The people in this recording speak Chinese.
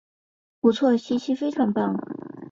波蒂尼。